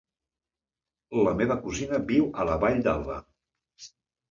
La meva cosina viu a la Vall d'Alba.